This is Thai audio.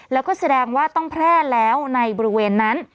แล้วก็แสดงว่าต้องแพร่แล้วในบริเวณนั้น